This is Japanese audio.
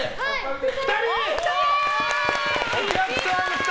２人？